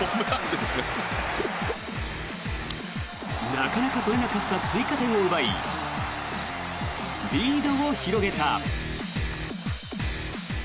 なかなか取れなかった追加点を奪いリードを広げた。